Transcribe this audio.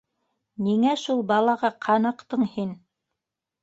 Ниңә шул балаға ҡаныҡтың һин?!